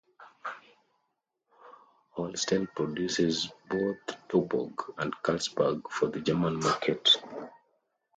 Holsten produces both "Tuborg" and "Carlsberg" for the German market.